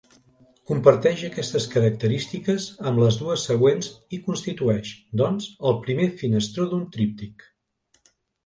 Comparteix aquestes característiques amb les dues següents i constitueix, doncs, el primer finestró d'un tríptic.